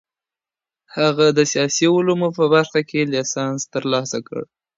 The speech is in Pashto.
هغه د سياسي علومو په برخه کې ليسانس ترلاسه کړ.